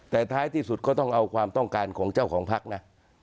แต่ท้ายที่สุดก็ต้องเอาความต้องการของเจ้าของพักนะ